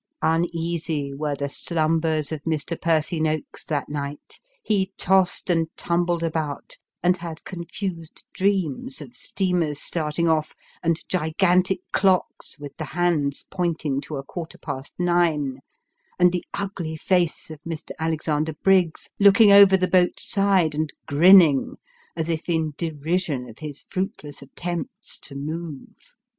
Uneasy were the slumbers of Mr. Percy Noakes that night ; ho tossed and tumbled about, and had confused dreams of steamers start ing off, and gigantic clocks with the hands pointing to a quarter past nine, and the ugly face of Mr. Alexander Briggs looking over the boat's side, and grinning, as if in derision of his fruitless attempts to move.